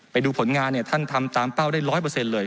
ไปดูผลงานเนี่ยท่านทำตามเป้าได้๑๐๐เลย